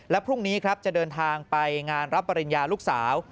และพรุ่งนี้ครับจะเดินทางไปงานรับปริญญาลูกสาว